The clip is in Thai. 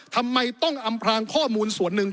ทำไมต้องอำพลางข้อมูลส่วนหนึ่ง